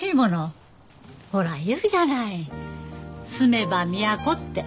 ほら言うじゃない「住めば都」って。